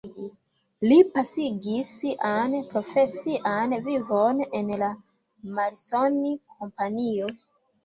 Li pasigis sian profesian vivon en la Marconi Kompanio.